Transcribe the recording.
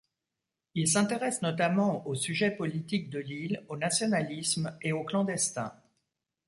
Il s'intéresse notamment aux sujets politiques de l'île, au nationalisme et aux clandestins.